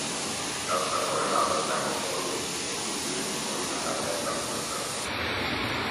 Gauzak horrela bertako foruei heldu zien horien arabera epaitua izateko.